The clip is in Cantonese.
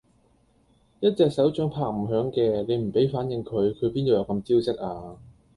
一隻手掌拍唔響嘅，你唔俾反應佢，佢邊度有咁招積呀？